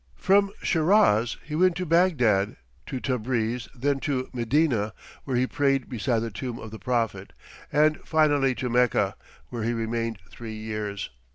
From Shiraz he went to Baghdad, to Tabriz, then to Medina, where he prayed beside the tomb of the Prophet, and finally to Mecca, where he remained three years.